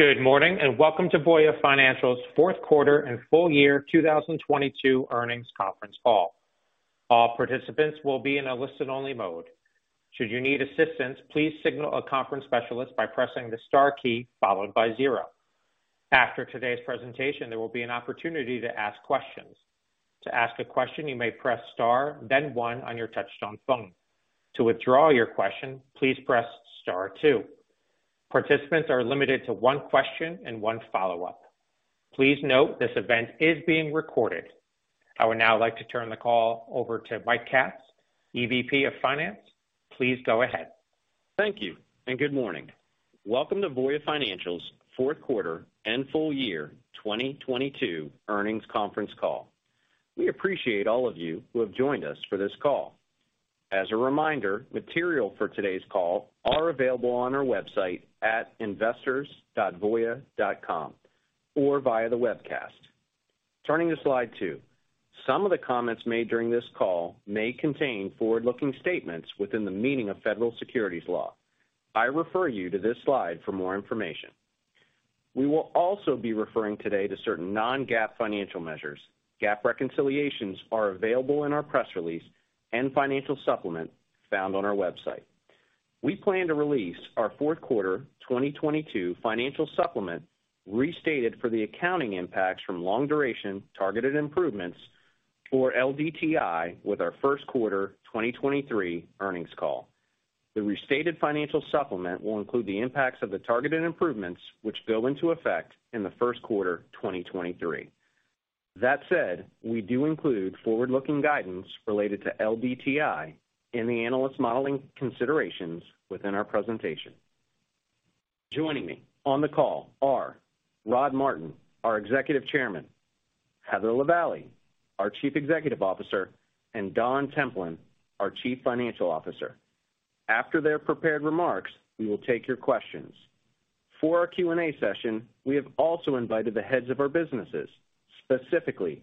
Good morning, welcome to Voya Financial's Fourth Quarter and Full Year 2022 Earnings Conference Call. All participants will be in a listen-only mode. Should you need assistance, please signal a conference specialist by pressing the star key followed by zero. After today's presentation, there will be an opportunity to ask questions. To ask a question, you may press Star then 1 on your touchtone phone. To withdraw your question, please press star two. Participants are limited to one question and one follow-up. Please note this event is being recorded. I would now like to turn the call over to Mike Katz, EVP of Finance. Please go ahead. Thank you. Good morning. Welcome to Voya Financial's fourth quarter and full year 2022 earnings conference call. We appreciate all of you who have joined us for this call. As a reminder, material for today's call are available on our website at investors.voya.com or via the webcast. Turning to slide two. Some of the comments made during this call may contain forward-looking statements within the meaning of Federal Securities law. I refer you to this slide for more information. We will also be referring today to certain non-GAAP financial measures. GAAP reconciliations are available in our press release and financial supplement found on our website. We plan to release our fourth quarter 2022 financial supplement restated for the accounting impacts from long duration targeted improvements or LDTI with our first quarter 2023 earnings call. The restated financial supplement will include the impacts of the targeted improvements which go into effect in the first quarter 2023. That said, we do include forward-looking guidance related to LDTI in the analyst modeling considerations within our presentation. Joining me on the call are Rod Martin, our Executive Chairman, Heather Lavallee, our Chief Executive Officer, and Don Templin, our Chief Financial Officer. After their prepared remarks, we will take your questions. For our Q&A session, we have also invited the heads of our businesses, specifically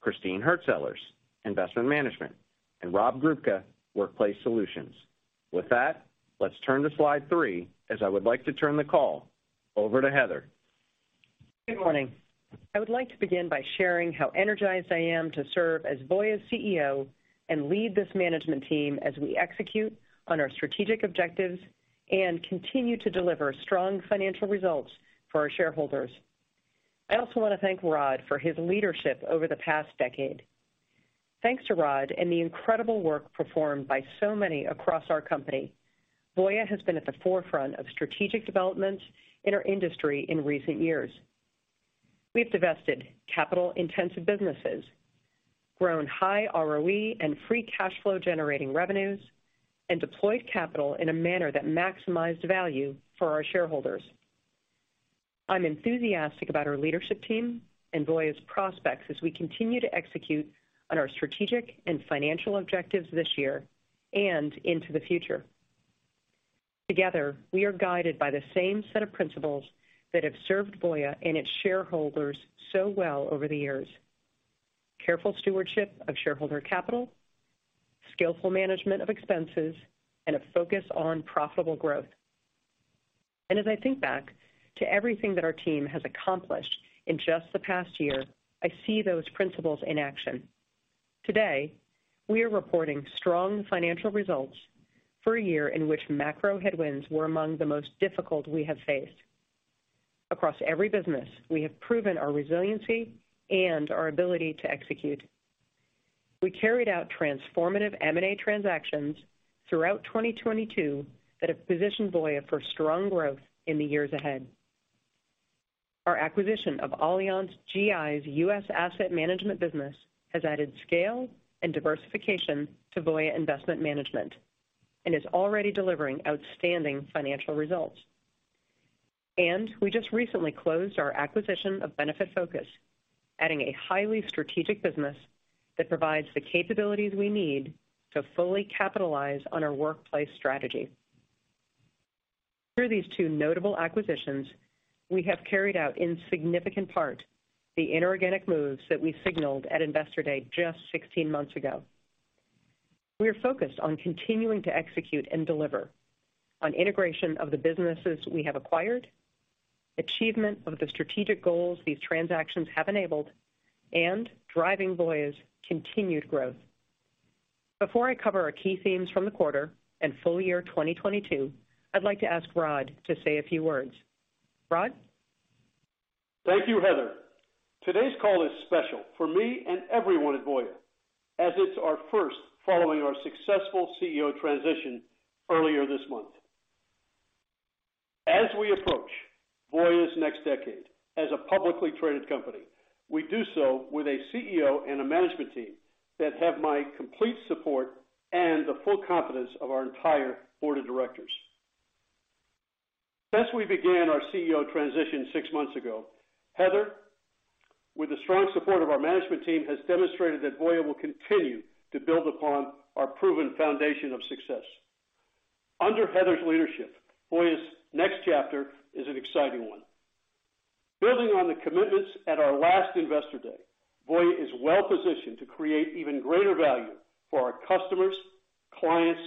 Christine Hurtsellers, Investment Management, and Rob Grubka, Workplace Solutions. With that, let's turn to slide three as I would like to turn the call over to Heather. Good morning. I would like to begin by sharing how energized I am to serve as Voya's CEO and lead this management team as we execute on our strategic objectives and continue to deliver strong financial results for our shareholders. I also want to thank Rod for his leadership over the past decade. Thanks to Rod and the incredible work performed by so many across our company, Voya has been at the forefront of strategic developments in our industry in recent years. We've divested capital-intensive businesses, grown high ROE and free cash flow-generating revenues, and deployed capital in a manner that maximized value for our shareholders. I'm enthusiastic about our leadership team and Voya's prospects as we continue to execute on our strategic and financial objectives this year and into the future. Together, we are guided by the same set of principles that have served Voya and its shareholders so well over the years, careful stewardship of shareholder capital, skillful management of expenses, and a focus on profitable growth. As I think back to everything that our team has accomplished in just the past year, I see those principles in action. Today, we are reporting strong financial results for a year in which macro headwinds were among the most difficult we have faced. Across every business, we have proven our resiliency and our ability to execute. We carried out transformative M&A transactions throughout 2022 that have positioned Voya for strong growth in the years ahead. Our acquisition of AllianzGI's U.S. Asset Management business has added scale and diversification to Voya Investment Management and is already delivering outstanding financial results. We just recently closed our acquisition of Benefitfocus, adding a highly strategic business that provides the capabilities we need to fully capitalize on our workplace strategy. Through these two notable acquisitions, we have carried out in significant part the inorganic moves that we signaled at Investor Day just 16 months ago. We are focused on continuing to execute and deliver on integration of the businesses we have acquired, achievement of the strategic goals these transactions have enabled, and driving Voya's continued growth. Before I cover our key themes from the quarter and full year 2022, I'd like to ask Rod to say a few words. Rod? Thank you, Heather. Today's call is special for me and everyone at Voya as it's our first following our successful CEO transition earlier this month. As we approach Voya's next decade as a publicly traded company, we do so with a CEO and a management team that have my complete support and the full confidence of our entire board of directors. Since we began our CEO transition six months ago, Heather, with the strong support of our management team, has demonstrated that Voya will continue to build upon our proven foundation of success. Under Heather's leadership, Voya's next chapter is an exciting one. Building on the commitments at our last Investor Day, Voya is well-positioned to create even greater value for our customers, clients,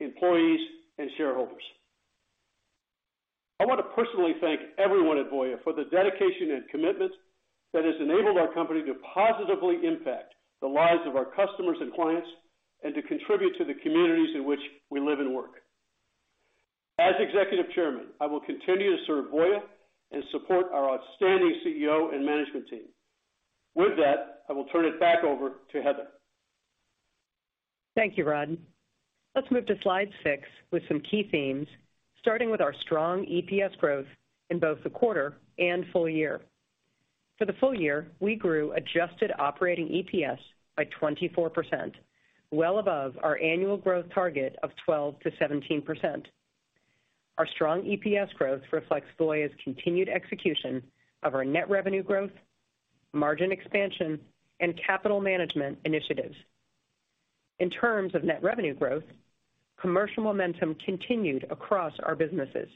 employees, and shareholders. I want to personally thank everyone at Voya for the dedication and commitment that has enabled our company to positively impact the lives of our customers and clients and to contribute to the communities in which we live and work. As Executive Chairman, I will continue to serve Voya and support our outstanding CEO and management team. I will turn it back over to Heather. Thank you, Rod. Let's move to slide 6 with some key themes, starting with our strong EPS growth in both the quarter and full year. For the full year, we grew adjusted operating EPS by 24%, well above our annual growth target of 12%-17%. Our strong EPS growth reflects Voya's continued execution of our net revenue growth, margin expansion, and capital management initiatives. In terms of net revenue growth, commercial momentum continued across our businesses.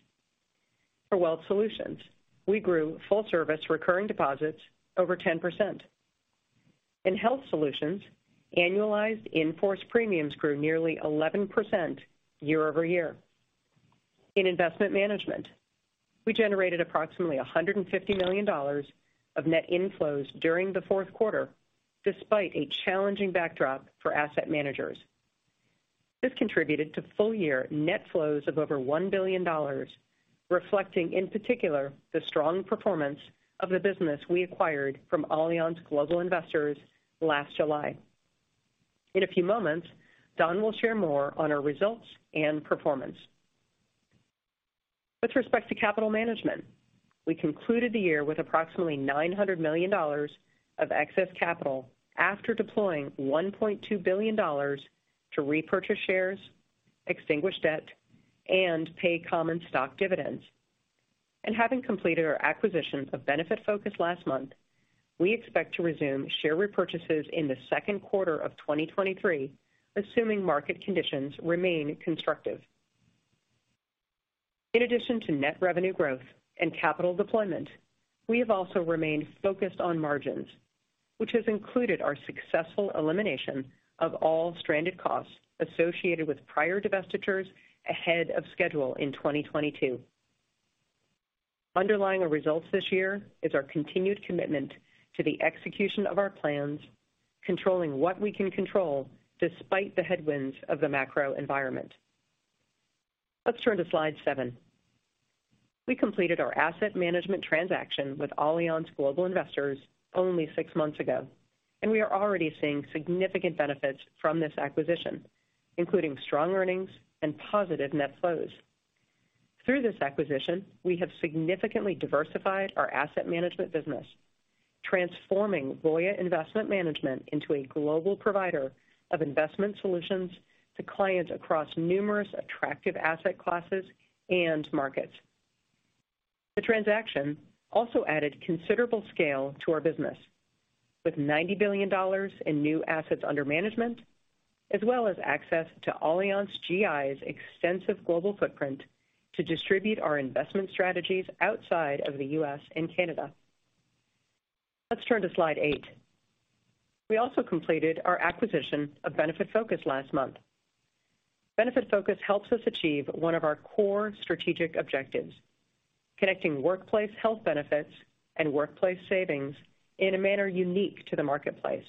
For Wealth Solutions, we grew full-service recurring deposits over 10%. In Health Solutions, annualized in-force premiums grew nearly 11% year-over-year. In Investment Management, we generated approximately $150 million of net inflows during the fourth quarter, despite a challenging backdrop for asset managers. This contributed to full-year net flows of over $1 billion, reflecting in particular the strong performance of the business we acquired from Allianz Global Investors last July. In a few moments, Don will share more on our results and performance. With respect to capital management, we concluded the year with approximately $900 million of excess capital after deploying $1.2 billion to repurchase shares, extinguish debt, and pay common stock dividends. Having completed our acquisition of Benefitfocus last month, we expect to resume share repurchases in the second quarter of 2023, assuming market conditions remain constructive. In addition to net revenue growth and capital deployment, we have also remained focused on margins, which has included our successful elimination of all Stranded Costs associated with prior divestitures ahead of schedule in 2022. Underlying our results this year is our continued commitment to the execution of our plans, controlling what we can control despite the headwinds of the macro environment. Let's turn to slide 7. We completed our asset management transaction with Allianz Global Investors only 6 months ago. We are already seeing significant benefits from this acquisition, including strong earnings and positive net flows. Through this acquisition, we have significantly diversified our asset management business, transforming Voya Investment Management into a global provider of investment solutions to clients across numerous attractive asset classes and markets. The transaction also added considerable scale to our business, with $90 billion in new assets under management, as well as access to AllianzGI's extensive global footprint to distribute our investment strategies outside of the U.S. and Canada. Let's turn to slide 8. We also completed our acquisition of Benefitfocus last month. Benefitfocus helps us achieve one of our core strategic objectives, connecting workplace health benefits and workplace savings in a manner unique to the marketplace.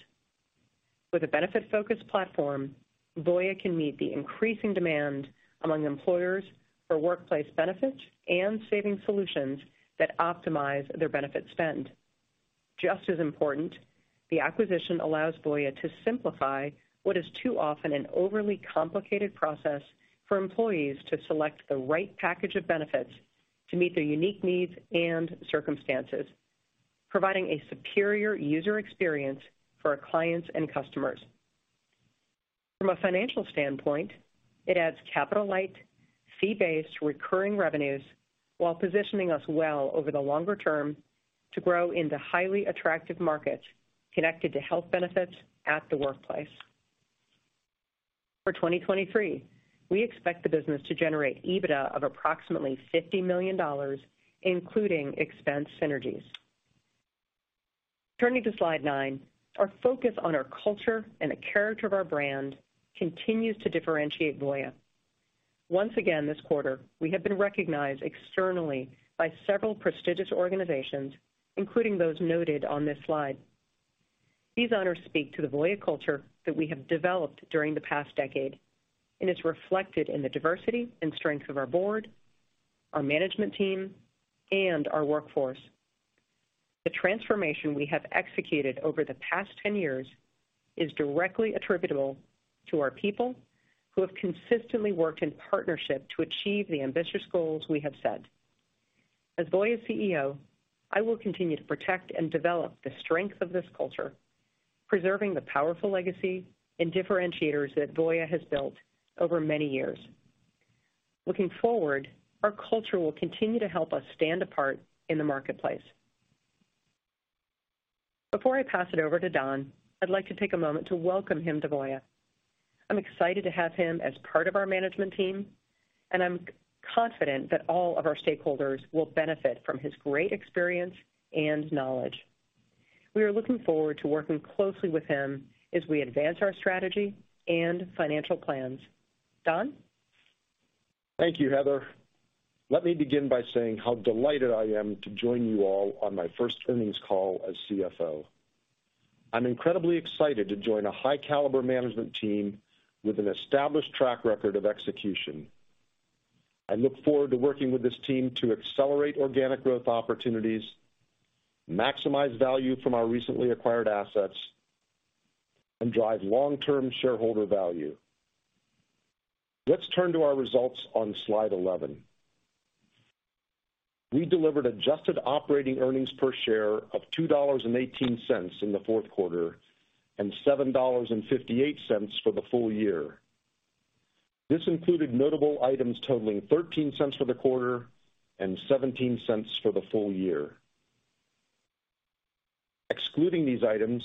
With a Benefitfocus platform, Voya can meet the increasing demand among employers for workplace benefits and saving solutions that optimize their benefit spend. Just as important, the acquisition allows Voya to simplify what is too often an overly complicated process for employees to select the right package of benefits to meet their unique needs and circumstances, providing a superior user experience for our clients and customers. From a financial standpoint, it adds capital-light, fee-based recurring revenues while positioning us well over the longer term to grow in the highly attractive markets connected to health benefits at the workplace. For 2023, we expect the business to generate EBITDA of approximately $50 million, including expense synergies. Turning to slide nine, our focus on our culture and the character of our brand continues to differentiate Voya. Once again this quarter, we have been recognized externally by several prestigious organizations, including those noted on this slide. These honors speak to the Voya culture that we have developed during the past decade, and it's reflected in the diversity and strength of our board, our management team, and our workforce. The transformation we have executed over the past 10 years is directly attributable to our people who have consistently worked in partnership to achieve the ambitious goals we have set. As Voya's CEO, I will continue to protect and develop the strength of this culture, preserving the powerful legacy and differentiators that Voya has built over many years. Looking forward, our culture will continue to help us stand apart in the marketplace. Before I pass it over to Don, I'd like to take a moment to welcome him to Voya. I'm excited to have him as part of our management team, and I'm confident that all of our stakeholders will benefit from his great experience and knowledge. We are looking forward to working closely with him as we advance our strategy and financial plans. Don? Thank you, Heather. Let me begin by saying how delighted I am to join you all on my first earnings call as CFO. I'm incredibly excited to join a high caliber management team with an established track record of execution. I look forward to working with this team to accelerate organic growth opportunities, maximize value from our recently acquired assets, and drive long-term shareholder value. Let's turn to our results on slide 11. We delivered adjusted operating earnings per share of $2.18 in the fourth quarter and $7.58 for the full year. This included notable items totaling $0.13 for the quarter and $0.17 for the full year. Excluding these items,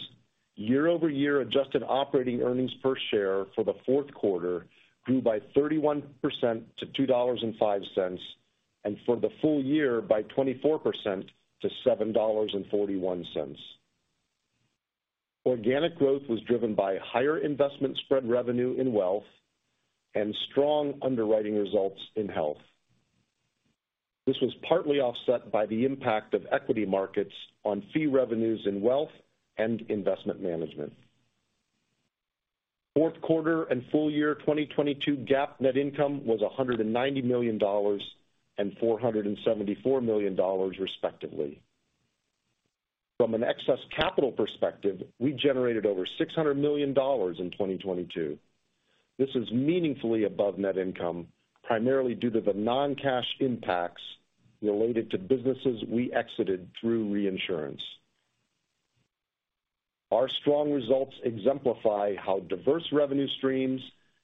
year-over-year adjusted operating earnings per share for the fourth quarter grew by 31% to $2.05, and for the full year by 24% to $7.41. Organic growth was driven by higher investment spread revenue in wealth and strong underwriting results in health. This was partly offset by the impact of equity markets on fee revenues in wealth and Investment Management. Fourth quarter and full year 2022 GAAP net income was $190 million and 474 million, respectively. From an excess capital perspective, we generated over $600 million in 2022. This is meaningfully above net income, primarily due to the non-cash impacts related to businesses we exited through reinsurance. Our strong results exemplify how diverse revenue streams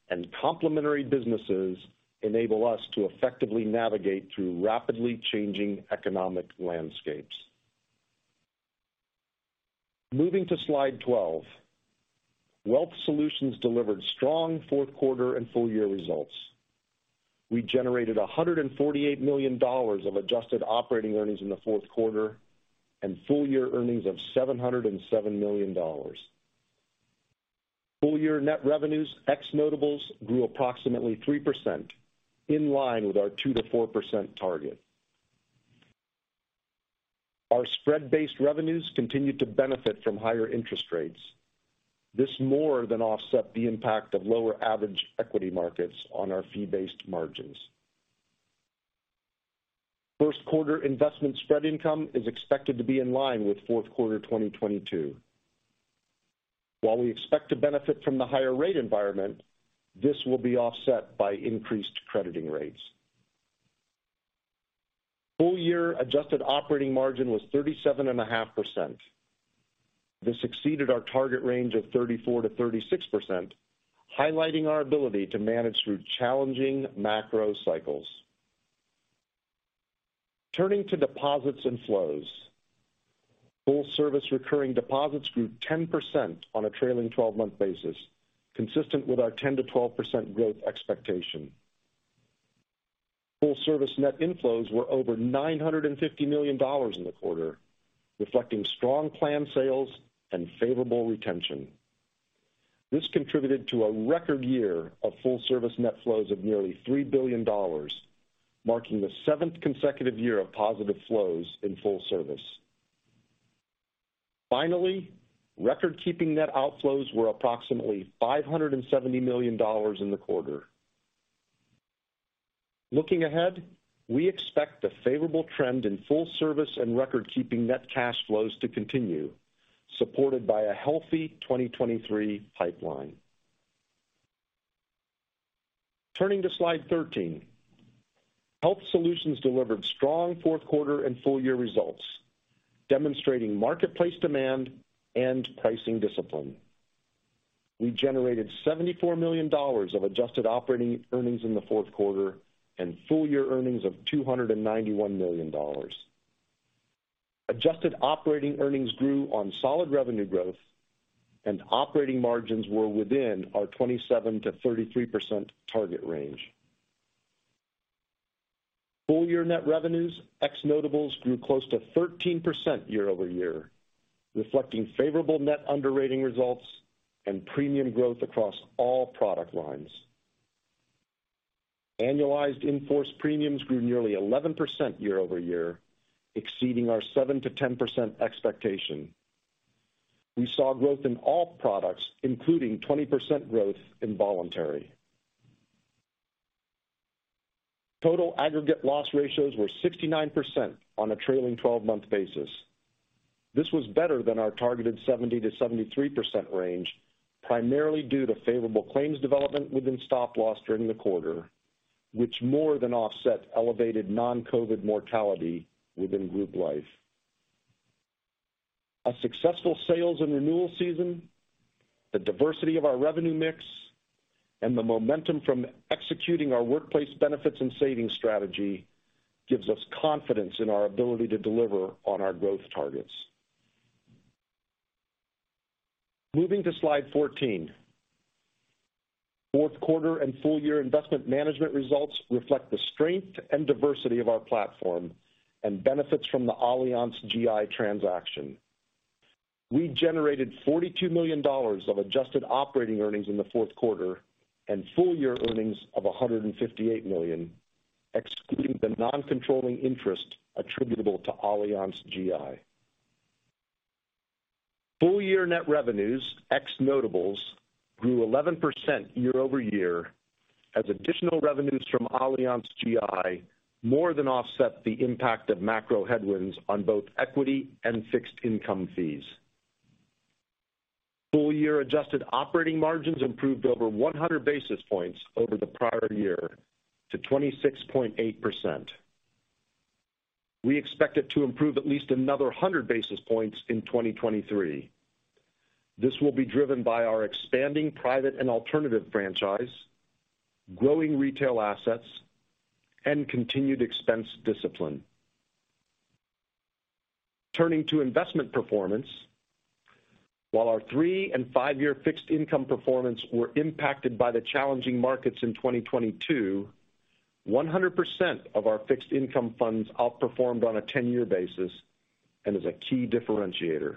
and complementary businesses enable us to effectively navigate through rapidly changing economic landscapes. Moving to slide 12. Wealth Solutions delivered strong fourth quarter and full year results. We generated $148 million of adjusted operating earnings in the fourth quarter and full year earnings of $707 million. Full year net revenues, ex notables, grew approximately 3% in line with our 2%-4% target. Our spread-based revenues continued to benefit from higher interest rates. This more than offset the impact of lower average equity markets on our fee-based margins. First quarter investment spread income is expected to be in line with fourth quarter 2022. While we expect to benefit from the higher rate environment, this will be offset by increased crediting rates. Full year adjusted operating margin was 37.5%. This exceeded our target range of 34%-36%, highlighting our ability to manage through challenging macro cycles. Turning to deposits and flows. Full service recurring deposits grew 10% on a trailing 12-month basis, consistent with our 10%-12% growth expectation. Full service net inflows were over $950 million in the quarter, reflecting strong plan sales and favorable retention. This contributed to a record year of full service net flows of nearly $3 billion, marking the seventh consecutive year of positive flows in full service. Record keeping net outflows were approximately $570 million in the quarter. Looking ahead, we expect the favorable trend in full service and record keeping net cash flows to continue, supported by a healthy 2023 pipeline. Turning to slide 13. Health Solutions delivered strong fourth quarter and full year results, demonstrating marketplace demand and pricing discipline. We generated $74 million of adjusted operating earnings in the fourth quarter and full year earnings of $291 million. Adjusted operating earnings grew on solid revenue growth and operating margins were within our 27%-33% target range. Full year net revenues, ex notables grew close to 13% year-over-year, reflecting favorable net underwriting results and premium growth across all product lines. Annualized in-force premiums grew nearly 11% year-over-year, exceeding our 7%-10% expectation. We saw growth in all products, including 20% growth in Voluntary. Total aggregate loss ratios were 69% on a trailing twelve-month basis. This was better than our targeted 70%-73% range, primarily due to favorable claims development within Stop Loss during the quarter, which more than offset elevated non-Covid mortality within Group Life. A successful sales and renewal season, the diversity of our revenue mix, and the momentum from executing our workplace benefits and savings strategy gives us confidence in our ability to deliver on our growth targets. Moving to slide 14. Fourth quarter and full year Investment Management results reflect the strength and diversity of our platform and benefits from the AllianzGI transaction. We generated $42 million of adjusted operating earnings in the fourth quarter and full year earnings of $158 million, excluding the non-controlling interest attributable to AllianzGI. Full year net revenues, ex notables, grew 11% year-over-year as additional revenues from AllianzGI more than offset the impact of macro headwinds on both equity and fixed income fees. Full year adjusted operating margins improved over 100 basis points over the prior year to 26.8%. We expect it to improve at least another 100 basis points in 2023. This will be driven by our expanding private and alternative franchise, growing retail assets, and continued expense discipline. Turning to investment performance. While our three and five-year fixed income performance were impacted by the challenging markets in 2022, 100% of our fixed income funds outperformed on a 10-year basis and is a key differentiator.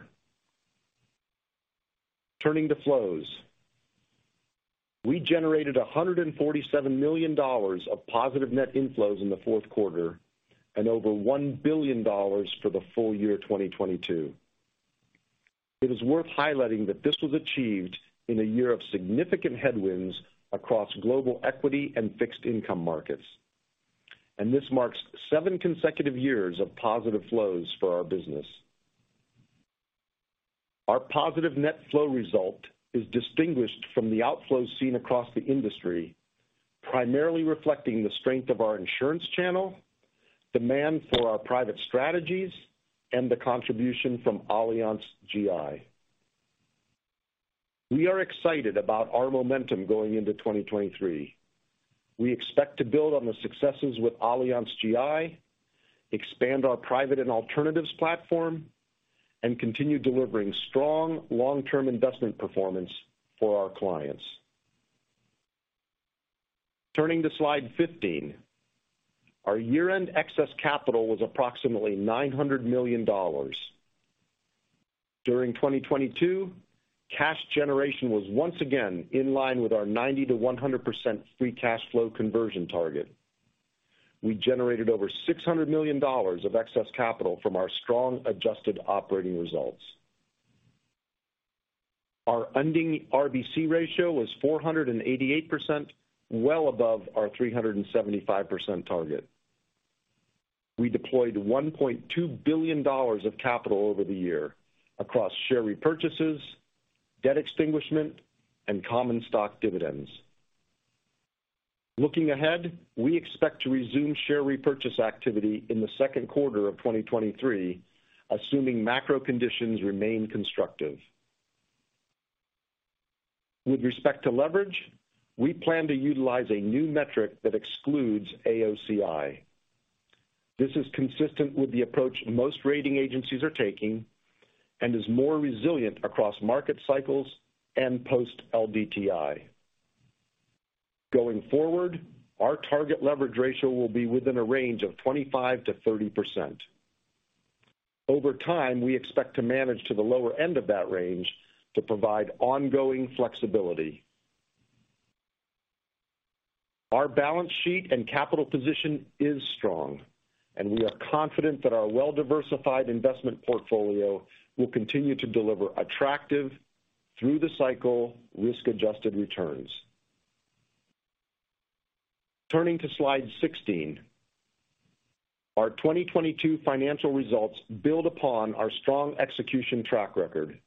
Turning to flows. We generated $147 million of positive net inflows in the fourth quarter and over $1 billion for the full year 2022. It is worth highlighting that this was achieved in a year of significant headwinds across global equity and fixed income markets, this marks seven consecutive years of positive flows for our business. Our positive net flow result is distinguished from the outflows seen across the industry, primarily reflecting the strength of our insurance channel, demand for our private strategies, and the contribution from AllianzGI. We are excited about our momentum going into 2023. We expect to build on the successes with AllianzGI, expand our private and alternatives platform, and continue delivering strong long-term investment performance for our clients. Turning to slide 15. Our year-end excess capital was approximately $900 million. During 2022, cash generation was once again in line with our 90%-100% free cash flow conversion target. We generated over $600 million of excess capital from our strong adjusted operating results. Our ending RBC ratio was 488%, well above our 375% target. We deployed $1.2 billion of capital over the year across share repurchases, debt extinguishment, and common stock dividends. Looking ahead, we expect to resume share repurchase activity in the second quarter of 2023, assuming macro conditions remain constructive. With respect to leverage, we plan to utilize a new metric that excludes AOCI. This is consistent with the approach most rating agencies are taking and is more resilient across market cycles and post LDTI. Going forward, our target leverage ratio will be within a range of 25%-30%. Over time, we expect to manage to the lower end of that range to provide ongoing flexibility. Our balance sheet and capital position is strong, and we are confident that our well-diversified investment portfolio will continue to deliver attractive through the cycle risk-adjusted returns. Turning to slide 16. Our 2022 financial results build upon our strong execution track record.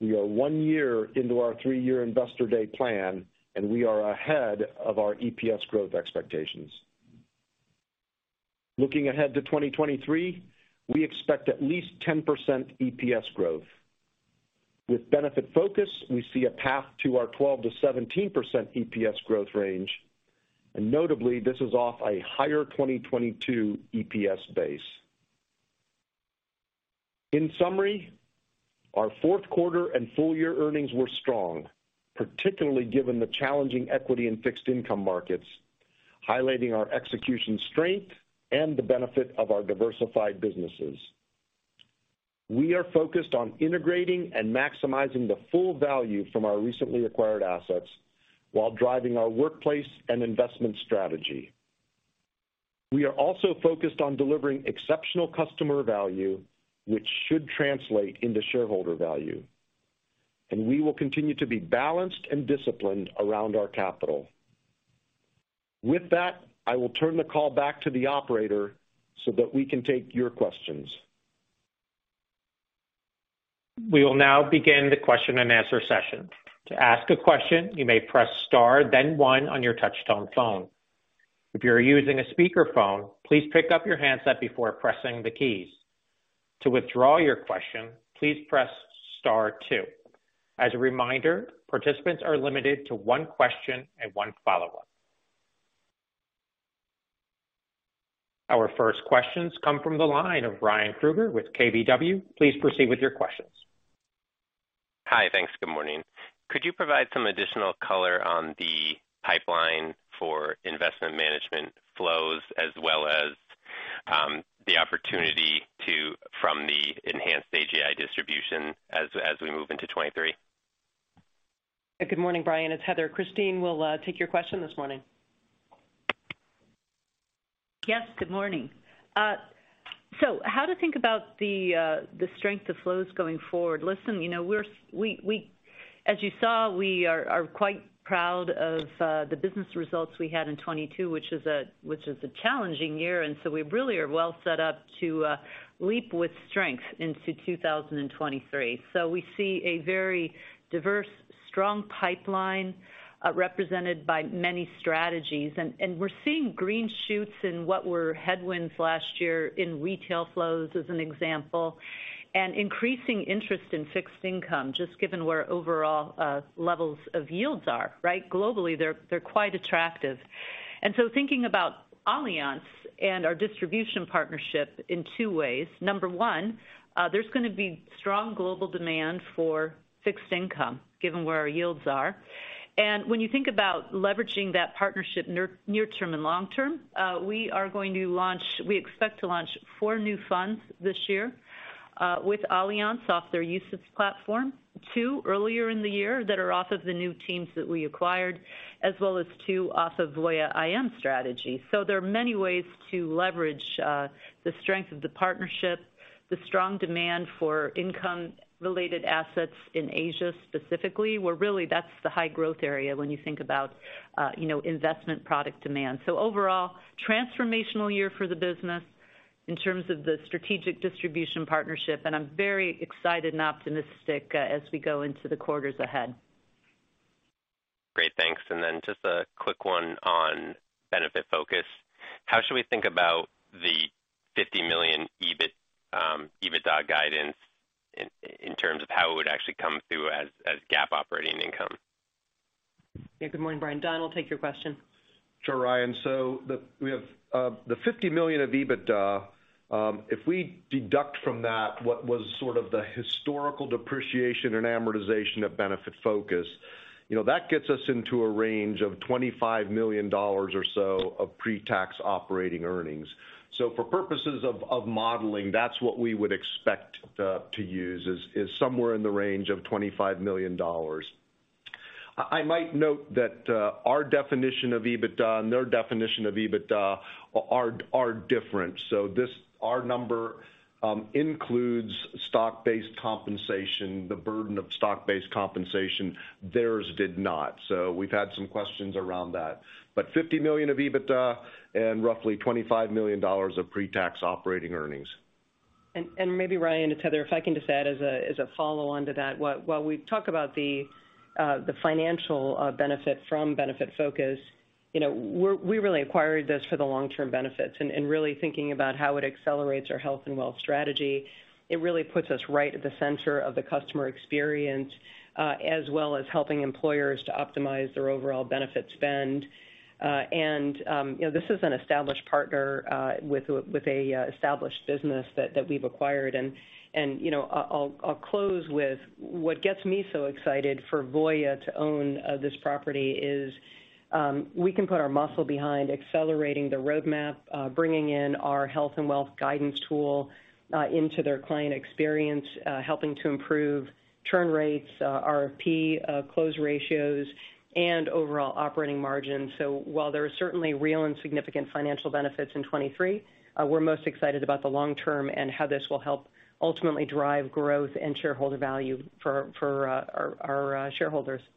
We are one year into our three-year Investor Day plan, and we are ahead of our EPS growth expectations. Looking ahead to 2023, we expect at least 10% EPS growth. With Benefitfocus, we see a path to our 12%-17% EPS growth range, and notably, this is off a higher 2022 EPS base. In summary, our fourth quarter and full year earnings were strong, particularly given the challenging equity and fixed income markets, highlighting our execution strength and the benefit of our diversified businesses. We are focused on integrating and maximizing the full value from our recently acquired assets while driving our workplace and investment strategy. We are also focused on delivering exceptional customer value, which should translate into shareholder value, and we will continue to be balanced and disciplined around our capital. With that, I will turn the call back to the operator so that we can take your questions. We will now begin the question and answer session. To ask a question, you may press star then one on your touch-tone phone. If you're using a speakerphone, please pick up your handset before pressing the keys. To withdraw your question, please press star two. As a reminder, participants are limited to one question and one follow-up. Our first questions come from the line of Ryan Krueger with KBW. Please proceed with your questions. Hi. Thanks. Good morning. Could you provide some additional color on the pipeline for Investment Management flows as well as from the enhanced AGI distribution as we move into 2023? Good morning, Ryan. It's Heather. Christine will take your question this morning. Yes, good morning. how to think about the strength of flows going forward. Listen, you know, as you saw, we are quite proud of the business results we had in 2022, which is a challenging year, and so we really are well set up to leap with strength into 2023. We see a very diverse, strong pipeline, represented by many strategies. We're seeing green shoots in what were headwinds last year in retail flows, as an example, and increasing interest in fixed income, just given where overall levels of yields are, right? Globally, they're quite attractive. Thinking about Allianz and our distribution partnership in two ways. Number one, there's gonna be strong global demand for fixed income given where our yields are. When you think about leveraging that partnership near term and long term, we expect to launch four new funds this year with Allianz off their usage platform, two earlier in the year that are off of the new teams that we acquired, as well as two off of Voya IM strategy. There are many ways to leverage the strength of the partnership, the strong demand for income-related assets in Asia specifically, where really that's the high-growth area when you think about, you know, investment product demand. Overall, transformational year for the business in terms of the strategic distribution partnership, and I'm very excited and optimistic as we go into the quarters ahead. Great. Thanks. Just a quick one on Benefitfocus. How should we think about the $50 million EBIT EBITDA guidance in terms of how it would actually come through as GAAP operating income? Yeah. Good morning, Brian. Don will take your question. Sure, Ryan. we have the $50 million of EBITDA, if we deduct from that what was sort of the historical depreciation and amortization of Benefitfocus, you know, that gets us into a range of $25 million or so of pre-tax operating earnings. For purposes of modeling, that's what we would expect to use is somewhere in the range of $25 million. I might note that our definition of EBITDA and their definition of EBITDA are different. Our number includes stock-based compensation, the burden of stock-based compensation. Theirs did not. We've had some questions around that. $50 million of EBITDA and roughly $25 million of pre-tax operating earnings. Maybe, Ryan, it's Heather, if I can just add as a follow-on to that, while we talk about the financial benefit from Benefitfocus, you know, we really acquired this for the long-term benefits and really thinking about how it accelerates our health and wealth strategy. It really puts us right at the center of the customer experience, as well as helping employers to optimize their overall benefit spend. You know, this is an established partner with an established business that we've acquired. You know, I'll close with what gets me so excited for Voya to own this property is we can put our muscle behind accelerating the roadmap, bringing in our health and wealth guidance tool into their client experience, helping to improve churn rates, RFP close ratios, and overall operating margins. While there are certainly real and significant financial benefits in 2023, we're most excited about the long term and how this will help ultimately drive growth and shareholder value for our shareholders. Thank you.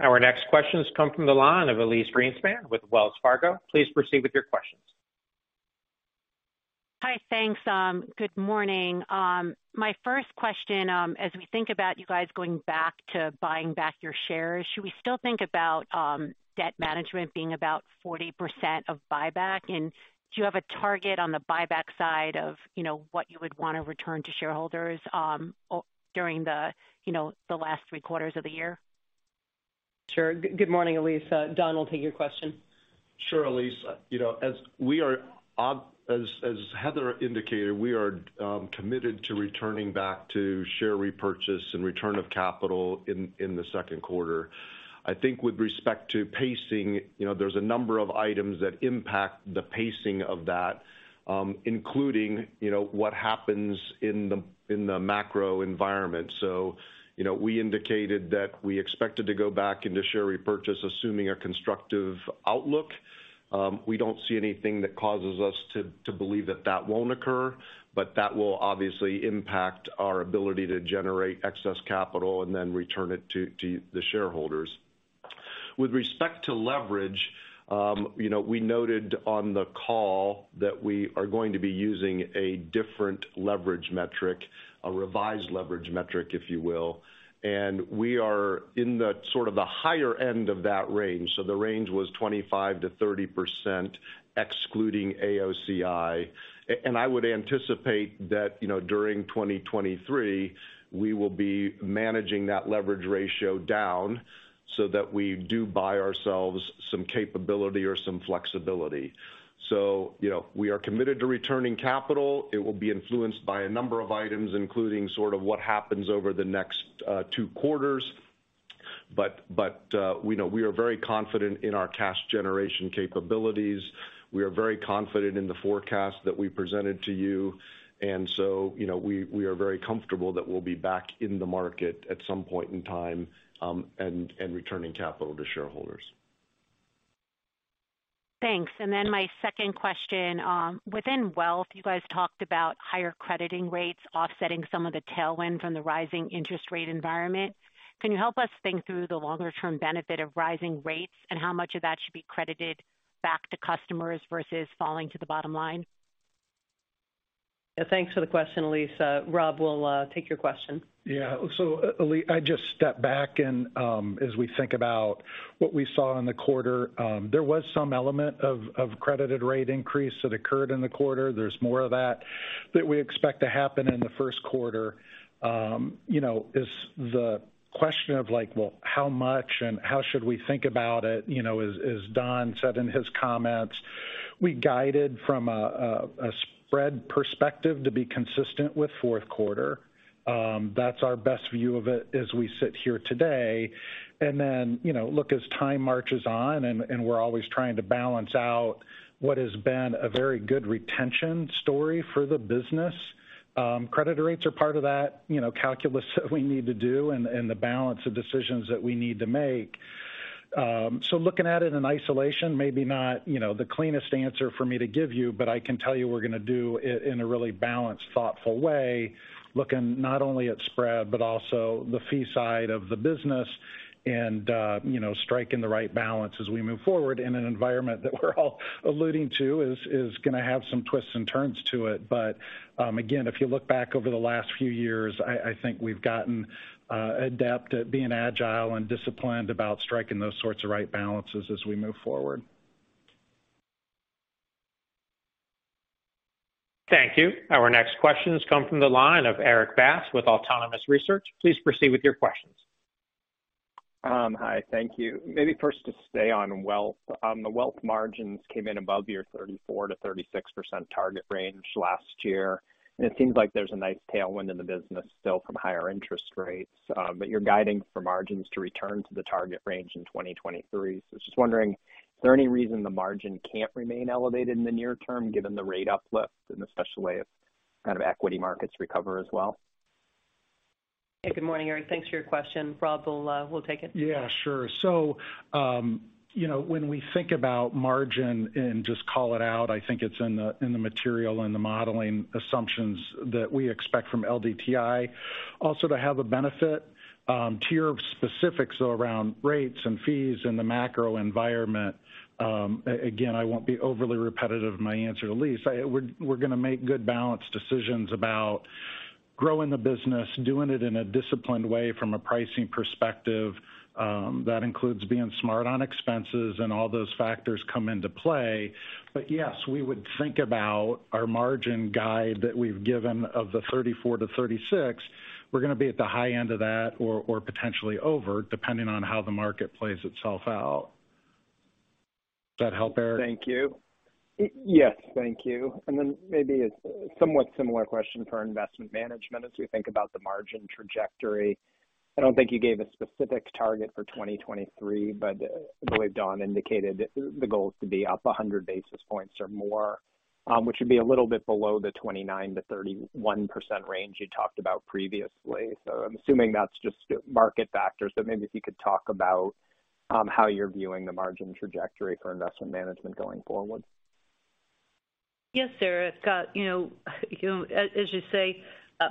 Our next questions come from the line of Elyse Greenspan with Wells Fargo. Please proceed with your questions. Hi. Thanks. Good morning. My first question, as we think about you guys going back to buying back your shares, should we still think about debt management being about 40% of buyback? Do you have a target on the buyback side of, you know, what you would want to return to shareholders during the, you know, the last three quarters of the year? Sure. Good morning, Elyse. Don will take your question. Sure, Elyse. You know, as we are as Heather indicated, we are committed to returning back to share repurchase and return of capital in the second quarter. I think with respect to pacing, you know, there's a number of items that impact the pacing of that, including, you know, what happens in the macro environment. You know, we indicated that we expected to go back into share repurchase, assuming a constructive outlook. We don't see anything that causes us to believe that that won't occur, but that will obviously impact our ability to generate excess capital and then return it to the shareholders. With respect to leverage, you know, we noted on the call that we are going to be using a different leverage metric, a revised leverage metric, if you will. We are in the sort of the higher end of that range. The range was 25%-30% excluding AOCI. And I would anticipate that, you know, during 2023 we will be managing that leverage ratio down so that we do buy ourselves some capability or some flexibility. You know, we are committed to returning capital. It will be influenced by a number of items, including sort of what happens over the next 2 quarters. We know we are very confident in our cash generation capabilities. We are very confident in the forecast that we presented to you know, we are very comfortable that we'll be back in the market at some point in time, and returning capital to shareholders. Thanks. My second question. Within wealth, you guys talked about higher crediting rates offsetting some of the tailwind from the rising interest rate environment. Can you help us think through the longer term benefit of rising rates and how much of that should be credited back to customers versus falling to the bottom line? Yeah, thanks for the question, Lisa. Rob will take your question. I just stepped back and as we think about what we saw in the quarter, there was some element of credited rate increase that occurred in the quarter. There's more of that that we expect to happen in the first quarter. You know, is the question of like, well, how much and how should we think about it, you know, as Don said in his comments. We guided from a spread perspective to be consistent with fourth quarter. That's our best view of it as we sit here today. You know, look, as time marches on and we're always trying to balance out what has been a very good retention story for the business, credit rates are part of that, you know, calculus that we need to do and the balance of decisions that we need to make. Looking at it in isolation, maybe not, you know, the cleanest answer for me to give you, but I can tell you we're gonna do it in a really balanced, thoughtful way, looking not only at spread but also the fee side of the business and, you know, striking the right balance as we move forward in an environment that we're all alluding to is gonna have some twists and turns to it. Again, if you look back over the last few years, I think we've gotten adept at being agile and disciplined about striking those sorts of right balances as we move forward. Thank you. Our next questions come from the line of Erik Bass with Autonomous Research. Please proceed with your questions. Hi. Thank you. Maybe first to stay on Wealth. The Wealth margins came in above your 34%-36% target range last year. It seems like there's a nice tailwind in the business still from higher interest rates, but you're guiding for margins to return to the target range in 2023. I was just wondering, is there any reason the margin can't remain elevated in the near term given the rate uplift and especially if kind of equity markets recover as well? Yeah. Good morning, Erik. Thanks for your question. Rob will take it. Yeah, sure. You know, when we think about margin and just call it out, I think it's in the material and the modeling assumptions that we expect from LDTI also to have a benefit, tier of specifics around rates and fees in the macro environment. Again, I won't be overly repetitive in my answer to Lisa. We're gonna make good balanced decisions about growing the business, doing it in a disciplined way from a pricing perspective, that includes being smart on expenses and all those factors come into play. Yes, we would think about our margin guide that we've given of the 34%-36%. We're gonna be at the high end of that or potentially over, depending on how the market plays itself out. Does that help, Erik? Thank you. Yes, thank you. Then maybe a somewhat similar question for Investment Management as we think about the margin trajectory. I don't think you gave a specific target for 2023, but I believe Don indicated the goal is to be up 100 basis points or more, which would be a little bit below the 29%-31% range you talked about previously. I'm assuming that's just market factors. Maybe if you could talk about how you're viewing the margin trajectory for Investment Management going forward. Yes, Erik. You know, as you say,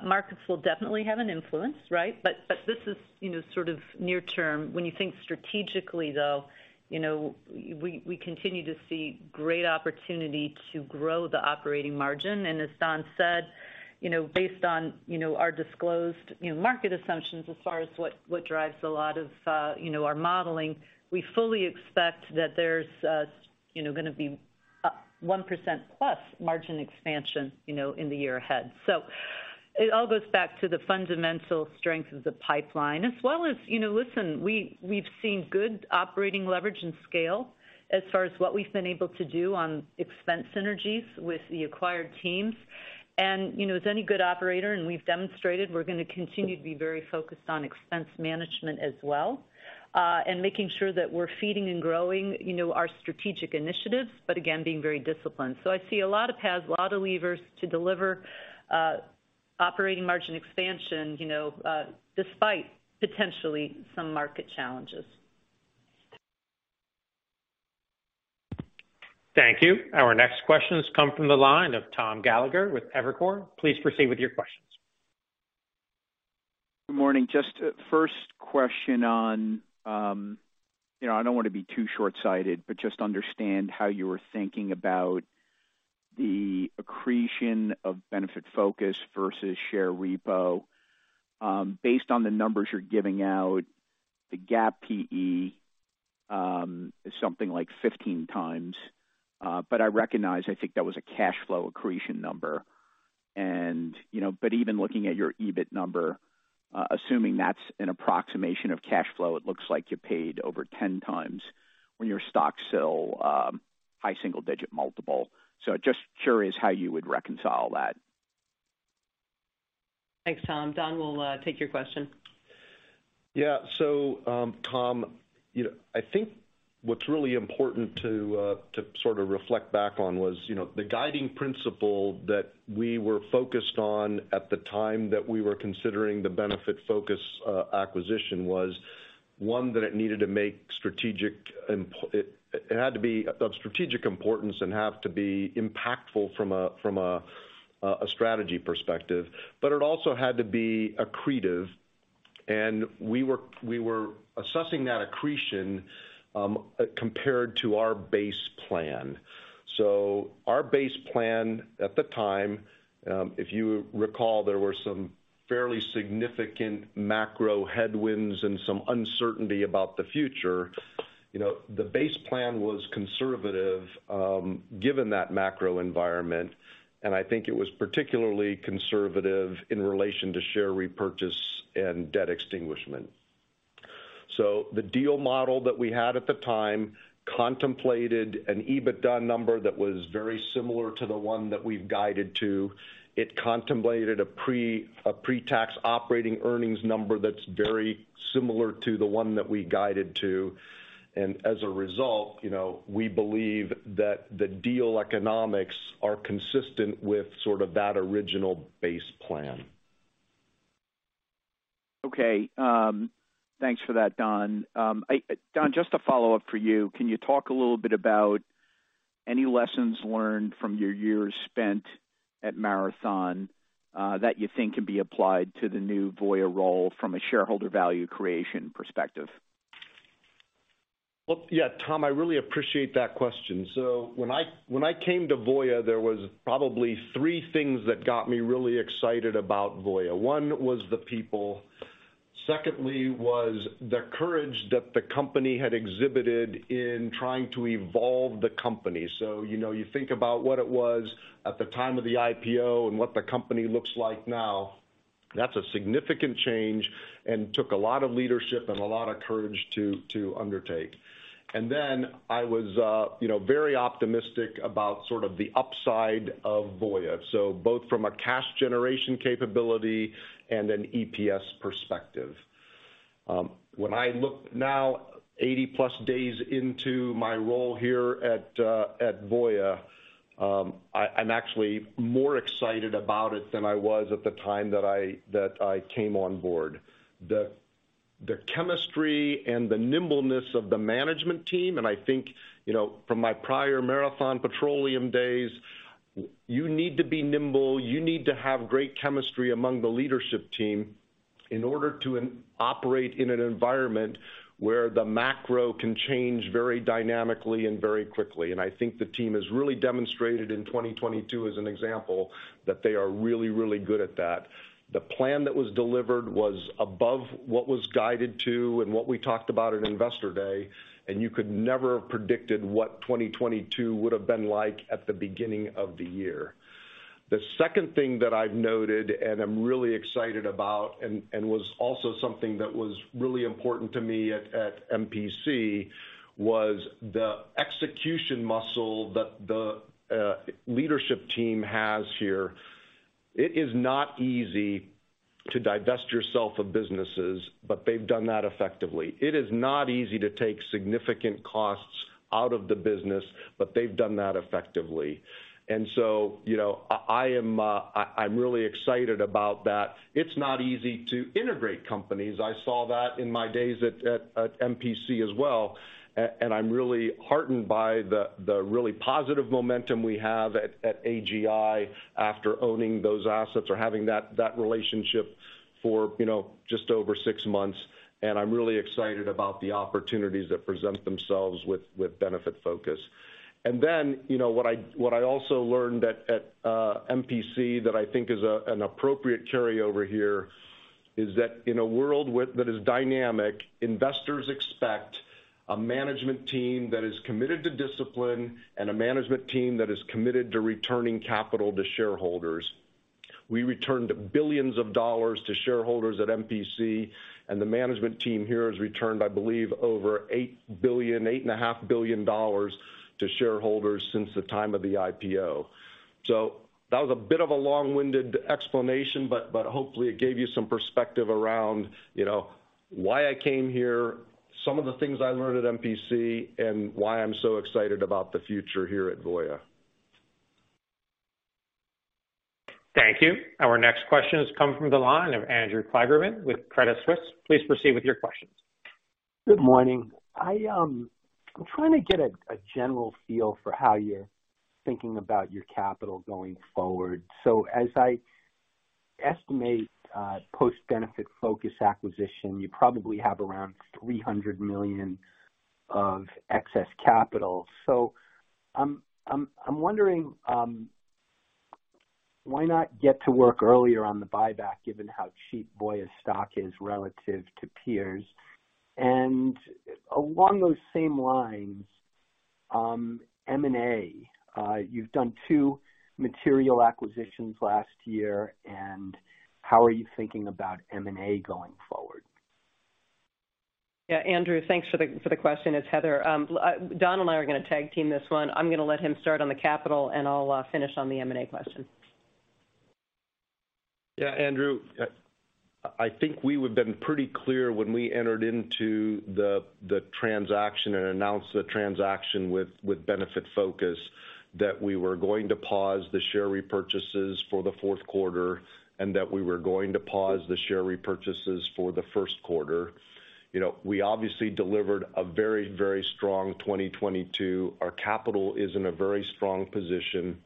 markets will definitely have an influence, right? This is, you know, sort of near term. When you think strategically, though, you know, we continue to see great opportunity to grow the operating margin. As Don said, you know, based on our disclosed market assumptions as far as what drives a lot of, you know, our modeling, we fully expect that there's gonna be 1% plus margin expansion, you know, in the year ahead. It all goes back to the fundamental strength of the pipeline as well as, you know, listen, we've seen good operating leverage and scale as far as what we've been able to do on expense synergies with the acquired teams. you know, as any good operator, and we've demonstrated we're gonna continue to be very focused on expense management as well, and making sure that we're feeding and growing, you know, our strategic initiatives, but again, being very disciplined. I see a lot of paths, a lot of levers to deliver operating margin expansion, you know, despite potentially some market challenges. Thank you. Our next questions come from the line of Tom Gallagher with Evercore. Please proceed with your questions. Good morning. Just, first question on, you know, I don't wanna be too shortsighted, but just understand how you were thinking about the accretion of Benefitfocus versus share repo. Based on the numbers you're giving out, the GAAP PE, is something like 15x. I recognize, I think that was a cash flow accretion number and, you know, but even looking at your EBIT number, assuming that's an approximation of cash flow, it looks like you paid over 10x when your stocks sell, high single digit multiple. Just curious how you would reconcile that. Thanks, Tom. Don will take your question. Yeah. Tom, you know, I think what's really important to sort of reflect back on was, you know, the guiding principle that we were focused on at the time that we were considering the Benefitfocus acquisition was, one, that it needed to make strategic it had to be of strategic importance and have to be impactful from a strategy perspective, but it also had to be accretive. We were assessing that accretion compared to our base plan. Our base plan at the time, if you recall, there were some fairly significant macro headwinds and some uncertainty about the future. You know, the base plan was conservative given that macro environment, and I think it was particularly conservative in relation to share repurchase and debt extinguishment. The deal model that we had at the time contemplated an EBITDA number that was very similar to the one that we've guided to. It contemplated a pre-tax operating earnings number that's very similar to the one that we guided to. As a result, you know, we believe that the deal economics are consistent with sort of that original base plan. Okay. Thanks for that, Don. Don, just a follow-up for you. Can you talk a little bit about any lessons learned from your years spent at Marathon, that you think can be applied to the new Voya role from a shareholder value creation perspective? Well, yeah, Tom, I really appreciate that question. When I came to Voya, there was probably 3 things that got me really excited about Voya. 1 was the people. Secondly was the courage that the company had exhibited in trying to evolve the company. You know, you think about what it was at the time of the IPO and what the company looks like now, that's a significant change and took a lot of leadership and a lot of courage to undertake. I was, you know, very optimistic about sort of the upside of Voya. Both from a cash generation capability and an EPS perspective. When I look now 80-plus days into my role here at Voya, I'm actually more excited about it than I was at the time that I came on board. The chemistry and the nimbleness of the management team, and I think, you know, from my prior Marathon Petroleum days, you need to be nimble, you need to have great chemistry among the leadership team in order to operate in an environment where the macro can change very dynamically and very quickly. I think the team has really demonstrated in 2022 as an example, that they are really, really good at that. The plan that was delivered was above what was guided to and what we talked about at Investor Day, and you could never have predicted what 2022 would have been like at the beginning of the year. The second thing that I've noted and I'm really excited about and was also something that was really important to me at MPC, was the execution muscle that the leadership team has here. It is not easy to divest yourself of businesses, they've done that effectively. It is not easy to take significant costs out of the business, they've done that effectively. You know, I am, I'm really excited about that. It's not easy to integrate companies. I saw that in my days at MPC as well, and I'm really heartened by the really positive momentum we have at AGI after owning those assets or having that relationship for, you know, just over six months. I'm really excited about the opportunities that present themselves with Benefitfocus. you know, what I also learned at MPC that I think is an appropriate carry over here is that in a world that is dynamic, investors expect a management team that is committed to discipline and a management team that is committed to returning capital to shareholders. We returned billions of dollars to shareholders at MPC, the management team here has returned, I believe, over $8 billion, eight and a half billion dollars to shareholders since the time of the IPO. That was a bit of a long-winded explanation, but hopefully it gave you some perspective around, you know, why I came here, some of the things I learned at MPC, and why I'm so excited about the future here at Voya. Thank you. Our next question has come from the line of Andrew Kligerman with Credit Suisse. Please proceed with your questions. Good morning. I'm trying to get a general feel for how you're thinking about your capital going forward. As I estimate, post Benefitfocus acquisition, you probably have around $300 million of excess capital. I'm wondering why not get to work earlier on the buyback given how cheap Voya's stock is relative to peers? Along those same lines, M&A. You've done two material acquisitions last year, and how are you thinking about M&A going forward? Yeah. Andrew, thanks for the, for the question. It's Heather. Don and I are gonna tag team this one. I'm gonna let him start on the capital, and I'll finish on the M&A question. Yeah. Andrew, I think we would've been pretty clear when we entered into the transaction and announced the transaction with Benefitfocus, that we were going to pause the share repurchases for the fourth quarter and that we were going to pause the share repurchases for the first quarter. You know, we obviously delivered a very, very strong 2022. Our capital is in a very strong position.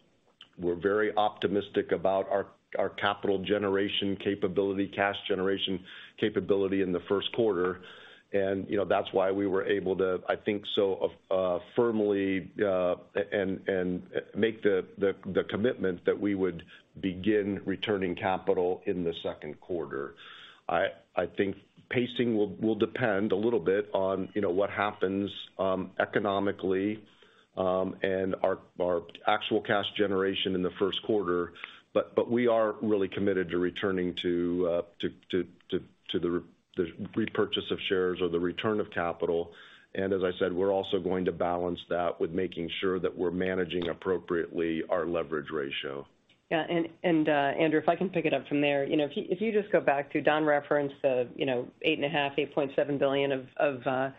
We're very optimistic about our capital generation capability, cash generation capability in the first quarter. You know, that's why we were able to, I think, so firmly, and make the commitment that we would begin returning capital in the second quarter. I think pacing will depend a little bit on, you know, what happens economically, and our actual cash generation in the first quarter. We are really committed to returning to the repurchase of shares or the return of capital. As I said, we're also going to balance that with making sure that we're managing appropriately our leverage ratio. Yeah. Andrew, if I can pick it up from there. You know, if you, if you just go back to Don referenced the, you know, $8.5 billion-8.7 billion of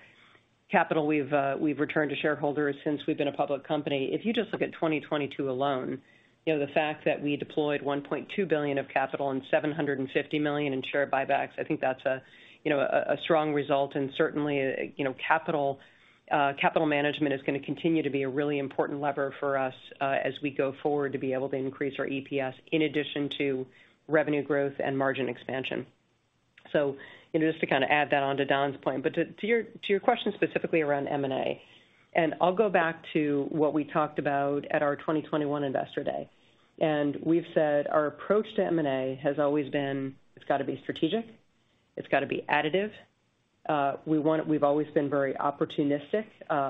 capital we've returned to shareholders since we've been a public company. If you just look at 2022 alone, you know, the fact that we deployed $1.2 billion of capital and 750 million in share buybacks, I think that's a, you know, a strong result. Certainly, you know, capital management is gonna continue to be a really important lever for us as we go forward to be able to increase our EPS in addition to revenue growth and margin expansion. You know, just to kind of add that onto Don's point. To your question specifically around M&A, I'll go back to what we talked about at our 2021 Investor Day. We've said our approach to M&A has always been, it's gotta be strategic, it's gotta be additive. We've always been very opportunistic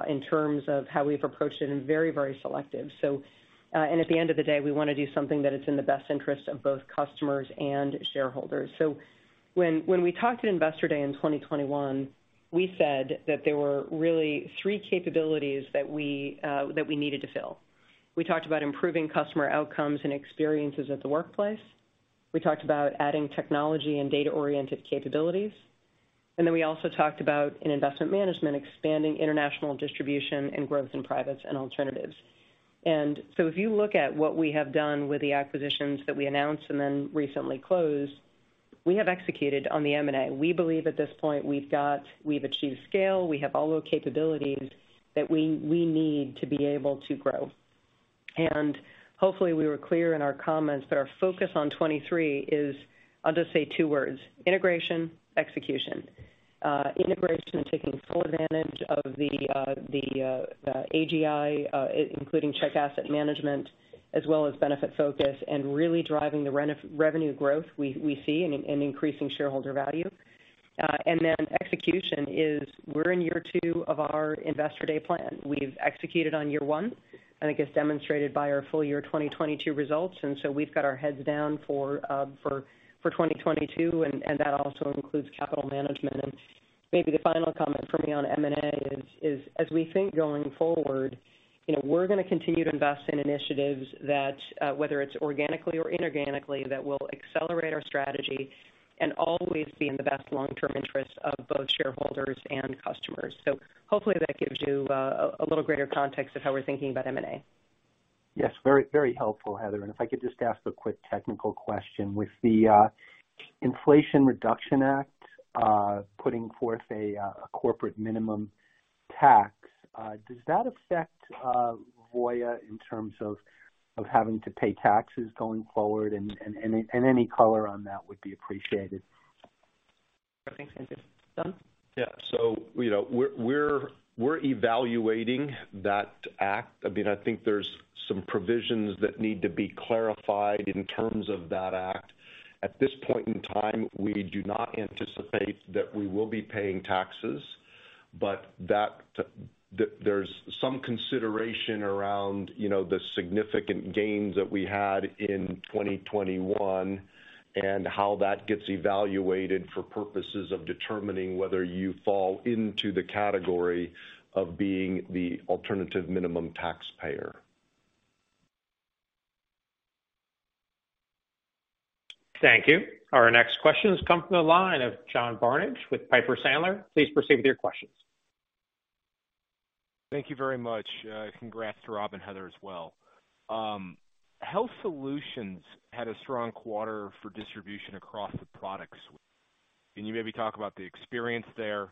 in terms of how we've approached it, and very selective. At the end of the day, we wanna do something that it's in the best interest of both customers and shareholders. When we talked at Investor Day in 2021, we said that there were really three capabilities that we needed to fill. We talked about improving customer outcomes and experiences at the workplace. We talked about adding technology and data-oriented capabilities. We also talked about in Investment Management, expanding international distribution and growth in privates and alternatives. If you look at what we have done with the acquisitions that we announced and then recently closed, we have executed on the M&A. We believe at this point we've achieved scale, we have all those capabilities that we need to be able to grow. Hopefully we were clear in our comments that our focus on 2023 is, I'll just say two words: integration, execution. Integration, taking full advantage of the AGI, including Czech Asset Management, as well as Benefitfocus, and really driving the revenue growth we see in increasing shareholder value. Execution is we're in year two of our Investor Day plan. We've executed on year one, I think as demonstrated by our full year 2022 results. We've got our heads down for 2022, and that also includes capital management. The final comment from me on M&A is as we think going forward, you know, we're gonna continue to invest in initiatives that whether it's organically or inorganically, that will accelerate our strategy and always be in the best long-term interest of both shareholders and customers. Hopefully that gives you a little greater context of how we're thinking about M&A. Yes, very helpful, Heather. If I could just ask a quick technical question. With the Inflation Reduction Act, putting forth a Corporate Minimum Tax, does that affect Voya in terms of having to pay taxes going forward? Any color on that would be appreciated. Okay. Thank you. Don? Yeah. You know, we're evaluating that act. I mean, I think there's some provisions that need to be clarified in terms of that act. At this point in time, we do not anticipate that we will be paying taxes, but that there's some consideration around, you know, the significant gains that we had in 2021 and how that gets evaluated for purposes of determining whether you fall into the category of being the alternative minimum taxpayer. Thank you. Our next question has come from the line of John Barnidge with Piper Sandler. Please proceed with your questions. Thank you very much. Congrats to Rob and Heather as well. Health Solutions had a strong quarter for distribution across the products. Can you maybe talk about the experience there,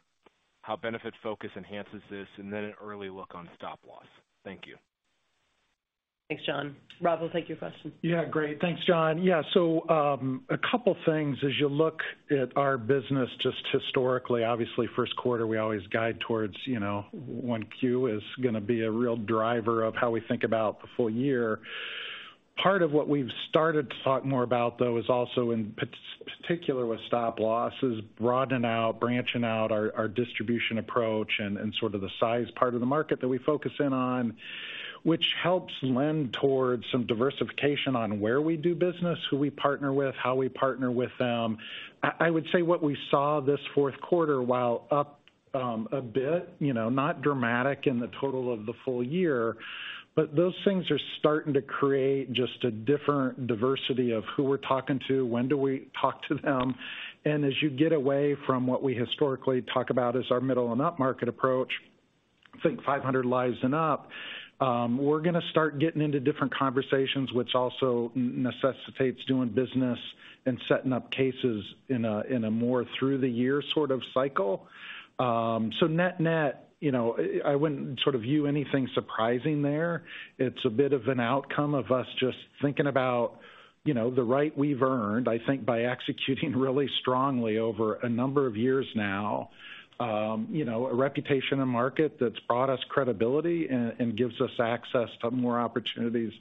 how Benefitfocus enhances this, and then an early look on Stop Loss? Thank you. Thanks, John. Rob will take your question. Great. Thanks, John. Yeah. A couple things. As you look at our business just historically, obviously, first quarter, we always guide towards, you know, 1Q is gonna be a real driver of how we think about the full year. Part of what we've started to talk more about, though, is also in part-particular with Stop Loss is broadening out, branching out our distribution approach and sort of the size part of the market that we focus in on, which helps lend towards some diversification on where we do business, who we partner with, how we partner with them. I would say what we saw this fourth quarter, while up, a bit, you know, not dramatic in the total of the full year, but those things are starting to create just a different diversity of who we're talking to, when do we talk to them. As you get away from what we historically talk about as our middle and up market approach, think 500 lives and up, we're gonna start getting into different conversations, which also necessitates doing business and setting up cases in a, in a more through the year sort of cycle. Net-net, you know, I wouldn't sort of view anything surprising there. It's a bit of an outcome of us just thinking about, you know, the right we've earned, I think, by executing really strongly over a number of years now. A reputation in market that's brought us credibility and gives us access to more opportunities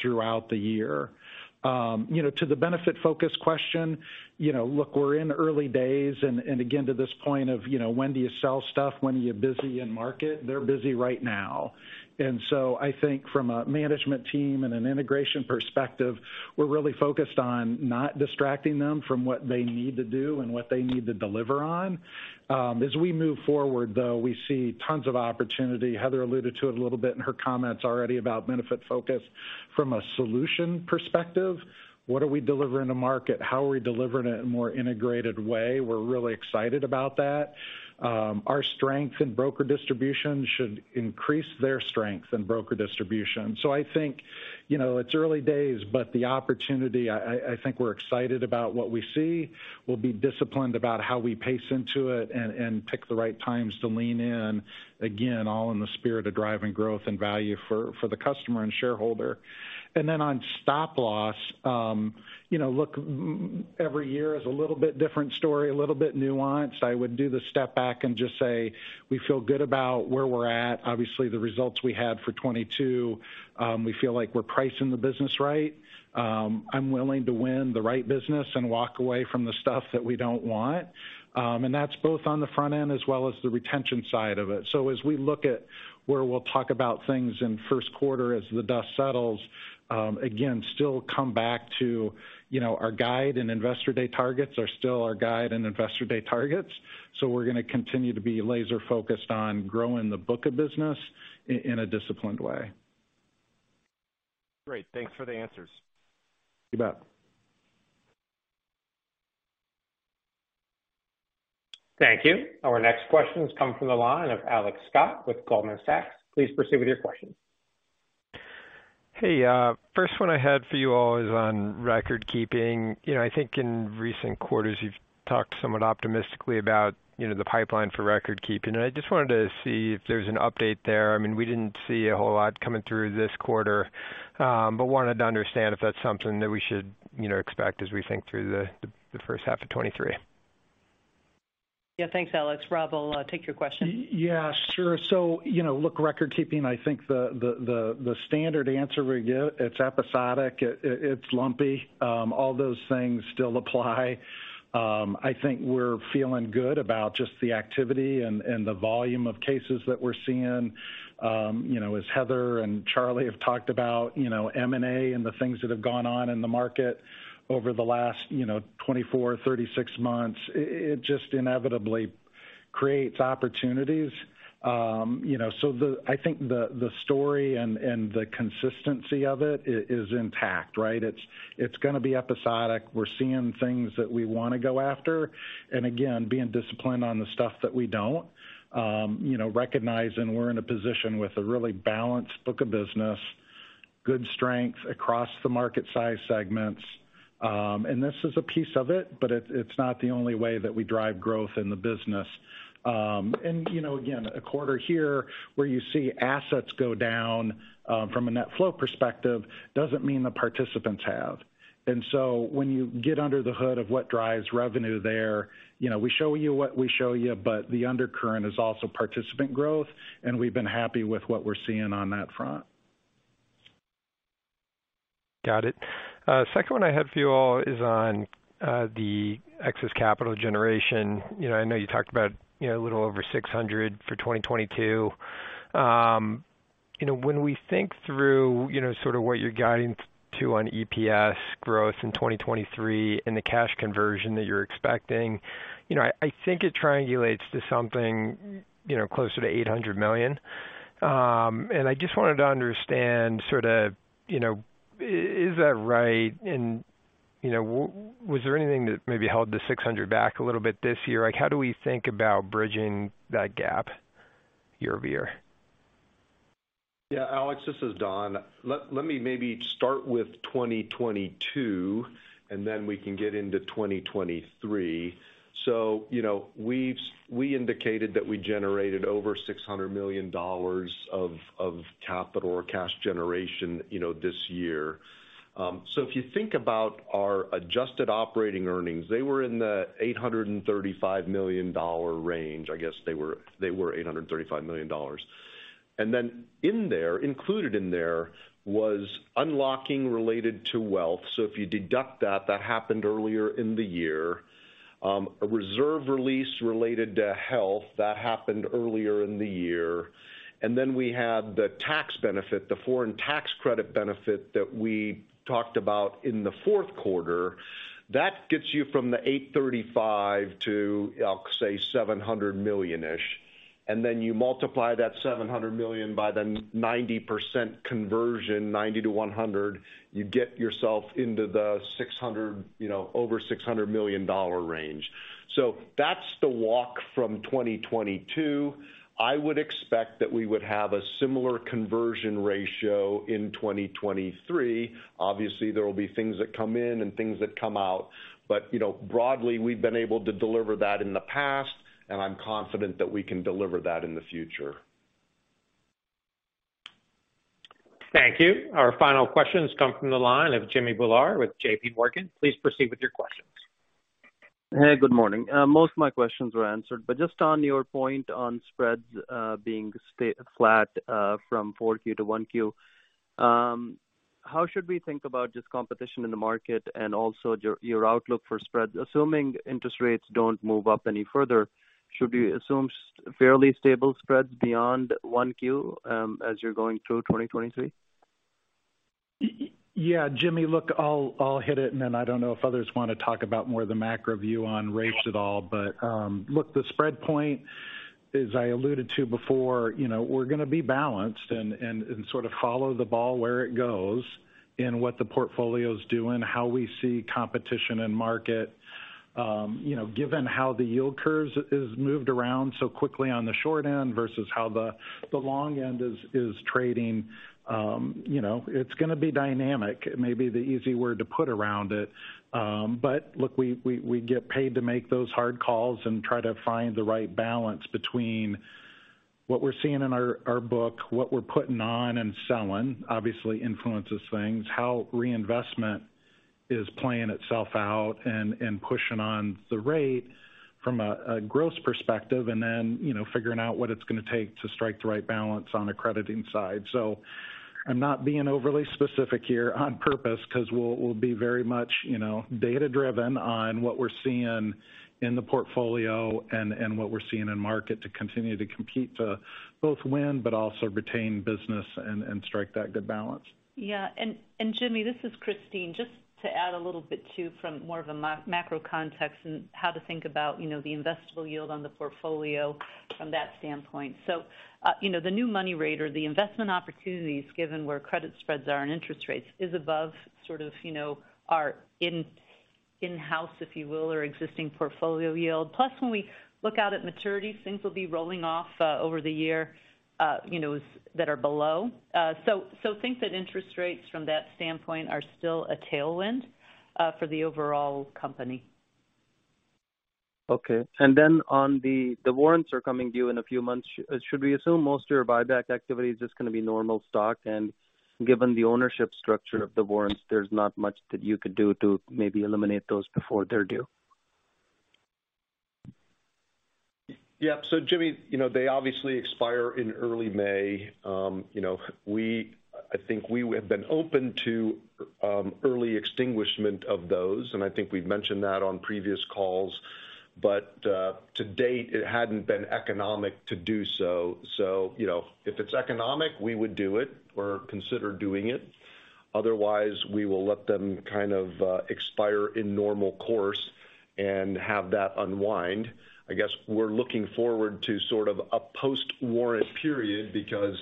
throughout the year. To the Benefitfocus question, we're in early days, and again, to this point of when do you sell stuff, when are you busy in market, they're busy right now. I think from a management team and an integration perspective, we're really focused on not distracting them from what they need to do and what they need to deliver on. As we move forward, though, we see tons of opportunity. Heather alluded to it a little bit in her comments already about Benefitfocus from a solution perspective. What are we delivering to market? How are we delivering it in a more integrated way? We're really excited about that. Our strength in broker distribution should increase their strength in broker distribution. I think, you know, it's early days, but the opportunity, I think we're excited about what we see. We'll be disciplined about how we pace into it and pick the right times to lean in, again, all in the spirit of driving growth and value for the customer and shareholder. On Stop Loss, you know, look, every year is a little bit different story, a little bit nuanced. I would do the step back and just say, we feel good about where we're at. Obviously, the results we had for 2022, we feel like we're pricing the business right. I'm willing to win the right business and walk away from the stuff that we don't want. That's both on the front end as well as the retention side of it. As we look at where we'll talk about things in first quarter as the dust settles, again, still come back to, you know, our guide and Investor Day targets are still our guide and Investor Day targets. We're gonna continue to be laser-focused on growing the book of business in a disciplined way. Great. Thanks for the answers. You bet. Thank you. Our next question comes from the line of Alex Scott with Goldman Sachs. Please proceed with your question. Hey. First one I had for you all is on record keeping. You know, I think in recent quarters, you've talked somewhat optimistically about, you know, the pipeline for record keeping. I just wanted to see if there's an update there. I mean, we didn't see a whole lot coming through this quarter, but wanted to understand if that's something that we should, you know, expect as we think through the first half of 2023. Yeah. Thanks, Alex. Rob will take your question. Yeah, sure. You know, look, record keeping, I think the standard answer we give, it's episodic, it's lumpy. All those things still apply. I think we're feeling good about just the activity and the volume of cases that we're seeing. You know, as Heather and Charlie have talked about, you know, M&A and the things that have gone on in the market over the last, you know, 24, 36 months, it just inevitably creates opportunities. You know, the story and the consistency of it is intact, right? It's, it's gonna be episodic. We're seeing things that we wanna go after, and again, being disciplined on the stuff that we don't. You know, recognizing we're in a position with a really balanced book of business, good strength across the market size segments. This is a piece of it, but it's not the only way that we drive growth in the business. You know, again, a quarter here where you see assets go down from a net flow perspective doesn't mean the participants have. When you get under the hood of what drives revenue there, you know, we show you what we show you, but the undercurrent is also participant growth, and we've been happy with what we're seeing on that front. Got it. Second one I had for you all is on the excess capital generation. You know, I know you talked about, you know, a little over $600 for 2022. You know, when we think through, you know, sort of what you're guiding to on EPS growth in 2023 and the cash conversion that you're expecting, you know, I think it triangulates to something, you know, closer to $800 million. I just wanted to understand sorta, you know, is that right? You know, was there anything that maybe held the $600 back a little bit this year? Like, how do we think about bridging that gap year-over-year? Yeah, Alex, this is Don. Let me maybe start with 2022, and then we can get into 2023. You know, we indicated that we generated over $600 million of capital or cash generation, you know, this year. If you think about our adjusted operating earnings, they were in the $835 million range. I guess they were $835 million. In there, included in there, was unlocking related to wealth. If you deduct that happened earlier in the year. A reserve release related to health, that happened earlier in the year. We had the tax benefit, the foreign tax credit benefit that we talked about in the fourth quarter. That gets you from the 835 to, I'll say $700 million-ish. You multiply that $700 million by the 90% conversion, 90-100, you get yourself into the $600, you know, over $600 million range. That's the walk from 2022. I would expect that we would have a similar conversion ratio in 2023. Obviously, there will be things that come in and things that come out, but, you know, broadly, we've been able to deliver that in the past, and I'm confident that we can deliver that in the future. Thank you. Our final questions come from the line of Jimmy Bhullar with JPMorgan. Please proceed with your questions. Hey, good morning. Most of my questions were answered, but just on your point on spreads, being flat, from 4Q to 1Q. How should we think about just competition in the market and also your outlook for spreads, assuming interest rates don't move up any further? Should we assume fairly stable spreads beyond 1Q, as you're going through 2023? Yeah, Jimmy, look, I'll hit it I don't know if others wanna talk about more the macro view on rates at all. Look, the spread point, as I alluded to before, you know, we're gonna be balanced and sort of follow the ball where it goes in what the portfolio's doing, how we see competition and market. You know, given how the yield curves is moved around so quickly on the short end versus how the long end is trading, you know, it's gonna be dynamic. It may be the easy word to put around it. Look, we get paid to make those hard calls and try to find the right balance between what we're seeing in our book, what we're putting on and selling obviously influences things, how reinvestment is playing itself out and pushing on the rate from a growth perspective, and then, you know, figuring out what it's gonna take to strike the right balance on the crediting side. I'm not being overly specific here on purpose 'cause we'll be very much, you know, data-driven on what we're seeing in the portfolio and what we're seeing in market to continue to compete to both win, but also retain business and strike that good balance. Yeah, Jimmy, this is Christine. Just to add a little bit too from more of a macro context and how to think about, you know, the investable yield on the portfolio from that standpoint. You know, the new money rate or the investment opportunities given where credit spreads are and interest rates is above sort of, you know, our in-house, if you will, or existing portfolio yield. Plus, when we look out at maturities, things will be rolling off over the year, you know, that are below. Think that interest rates from that standpoint are still a tailwind for the overall company. Okay. On the Warrants are coming to you in a few months. Should we assume most of your buyback activity is just gonna be normal stock? Given the ownership structure of the Warrants, there's not much that you could do to maybe eliminate those before they're due. Yeah. Jimmy, you know, they obviously expire in early May. You know, I think we have been open to early extinguishment of those, and I think we've mentioned that on previous calls. To date, it hadn't been economic to do so. If it's economic, we would do it or consider doing it. Otherwise, we will let them kind of expire in normal course and have that unwind. I guess we're looking forward to sort of a post-warrant period because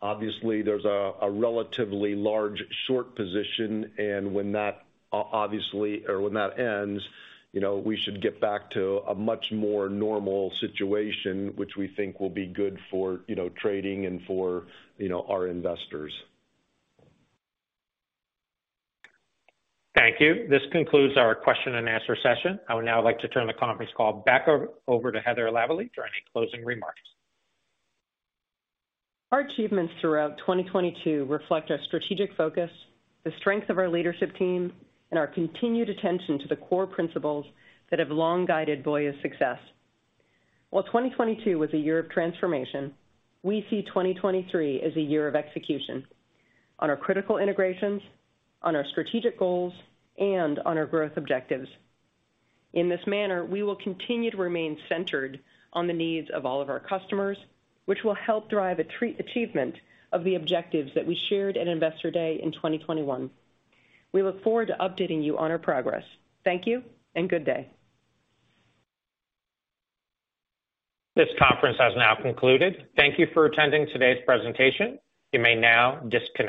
obviously there's a relatively large short position, and when that ends, you know, we should get back to a much more normal situation which we think will be good for, you know, trading and for, you know, our investors. Thank you. This concludes our question and answer session. I would now like to turn the conference call back over to Heather Lavallee for any closing remarks. Our achievements throughout 2022 reflect our strategic focus, the strength of our leadership team, and our continued attention to the core principles that have long guided Voya's success. While 2022 was a year of transformation, we see 2023 as a year of execution on our critical integrations, on our strategic goals, and on our growth objectives. In this manner, we will continue to remain centered on the needs of all of our customers, which will help drive achievement of the objectives that we shared at Investor Day in 2021. We look forward to updating you on our progress. Thank you and good day. This conference has now concluded. Thank you for attending today's presentation. You may now disconnect.